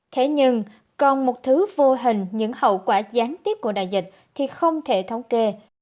thế nhưng còn một thứ vô hình những hậu quả gián tiếp của đại dịch thì không thể thống kê